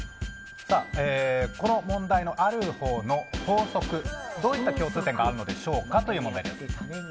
この問題のある方の法則どういった共通点があるでしょうかという問題です。